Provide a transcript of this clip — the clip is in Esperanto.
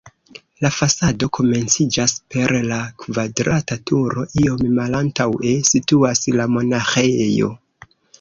La fasado komenciĝas per la kvadrata turo, iom malantaŭe situas la monaĥejo.